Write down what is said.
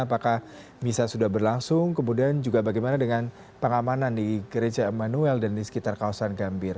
apakah misa sudah berlangsung kemudian juga bagaimana dengan pengamanan di gereja emmanuel dan di sekitar kawasan gambir